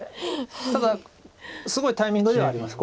ただすごいタイミングではあります。